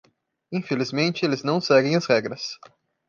Infelizmente eles não seguem as regras.